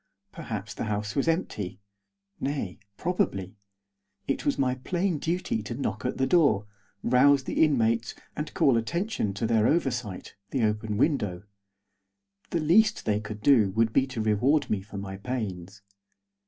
Perhaps the house was empty; nay, probably. It was my plain duty to knock at the door, rouse the inmates, and call attention to their oversight, the open window. The least they could do would be to reward me for my pains.